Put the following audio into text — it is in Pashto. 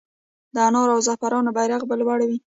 د انار او زعفرانو بیرغ به لوړ وي؟